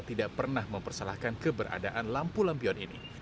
tidak pernah mempersalahkan keberadaan lampu lampion ini